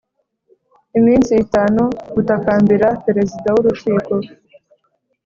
Iminsi itanu gutakambira perezida w urukiko